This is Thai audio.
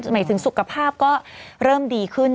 หมายถึงสุขภาพก็เริ่มดีขึ้น